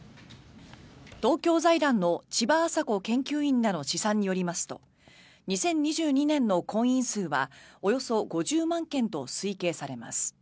東京財団の千葉安佐子研究員らの試算によりますと２０２２年の婚姻数はおよそ５０万件と推計されます。